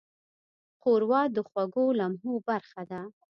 ښوروا د خوږو لمحو برخه ده.